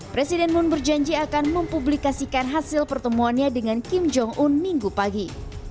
presiden moon berjanji akan mempublikasikan hasil pertemuannya dengan kim jong un minggu pagi